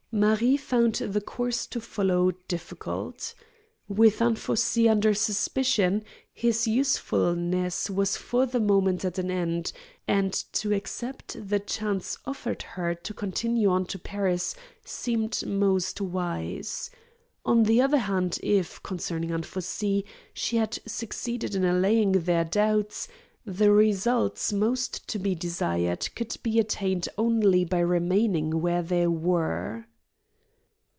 Marie found the course to follow difficult. With Anfossi under suspicion his usefulness was for the moment at an end; and to accept the chance offered her to continue on to Paris seemed most wise. On the other hand, if, concerning Anfossi, she had succeeded in allaying their doubts, the results most to be desired could be attained only by remaining where they were.